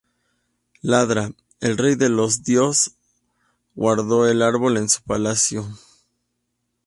Indra, el rey de los dios, guardó el árbol en su palacio.